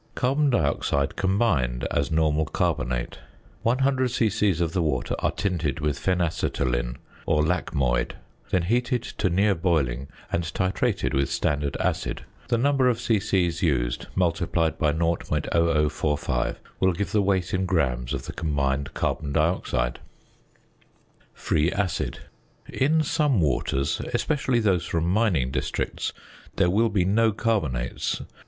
~Carbon Dioxide combined~ as normal carbonate. 100 c.c. of the water are tinted with phenacetolin or lacmoid; then heated to near boiling, and titrated with standard acid. The number of c.c. used, multiplied by 0.0045, will give the weight in grams of the combined carbon dioxide. ~Free Acid.~ In some waters (especially those from mining districts) there will be no carbonates.